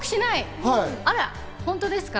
あら本当ですか？